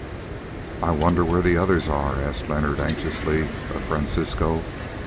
"I wonder where the others are," asked Leonard anxiously of Francisco.